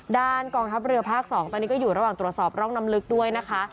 กองทัพเรือภาค๒ตอนนี้ก็อยู่ระหว่างตรวจสอบร่องน้ำลึกด้วยนะคะ